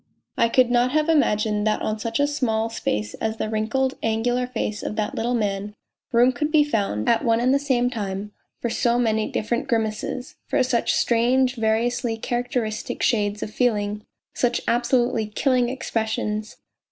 I could not have imagined that on such a small space as the wrinkled, angular face of that little man room could be found, at one and the same time, for so many different grimaces, for such strange, variously characteristic shades of feeling, such absolutely killing expressions.